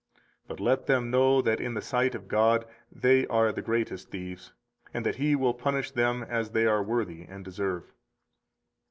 But let them know that in the sight of God they are the greatest thieves, and that He will punish them as they are worthy and deserve.